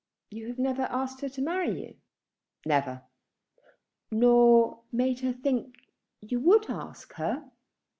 "You have never asked her to marry you?" "Never." "Nor made her think that you would ask her?